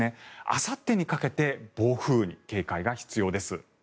あさってにかけて暴風に警戒が必要です。